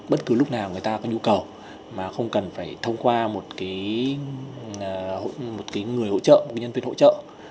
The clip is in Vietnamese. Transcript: bất cứ lúc nào người ta có nhu cầu mà không cần phải thông qua một người hỗ trợ một nhân viên hỗ trợ